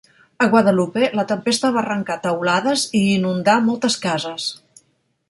A Guadalupe, la tempesta va arrencar teulades i inundar moltes cases.